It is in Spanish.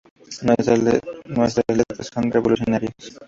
Nuestras letras son revolucionarias.